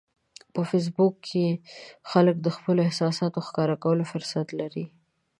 په فېسبوک کې خلک د خپلو احساساتو ښکاره کولو فرصت لري